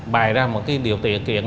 bài ra một cái điều tiện kiện